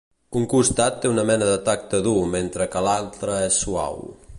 Un costat té una mena de tacte dur mentre que l'altre és suau.